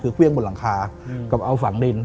คือเครื่องบนหลังคากับเอาฝังดิน